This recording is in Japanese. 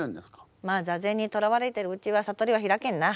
まあ座禅にとらわれてるうちは悟りは開けんな。